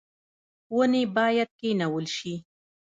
ونې باید کینول شي